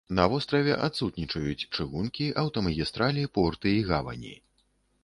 На востраве адсутнічаюць чыгункі, аўтамагістралі, порты і гавані.